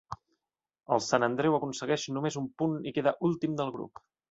El Sant Andreu aconsegueix només un punt i queda últim del grup.